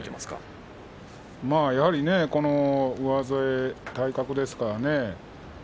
まあやはりこの上背体格ですからね。